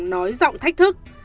nói giọng thách thức